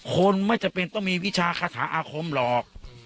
คนไม่จำเป็นต้องมีวิชาคาถาอาคมหรอก